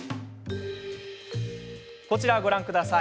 こちら、ご覧ください。